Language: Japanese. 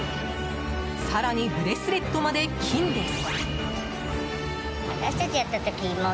更にブレスレットまで金です！